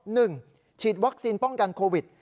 ฉีดวัคซีนป้องกันโควิด